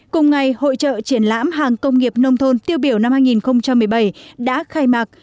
cùng ngày hội trợ triển lãm hàng công nghiệp nông thôn tiêu biểu năm hai nghìn một mươi bảy đã khai mạc